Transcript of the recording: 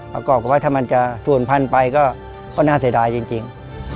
แล้วก็ว่าถ้ามันจะสูญพันธุ์ไปก็น่าเสียดายจริง